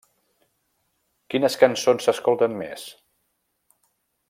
Quines cançons s'escolten més?